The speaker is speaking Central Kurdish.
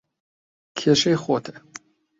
کێشەی خۆتە.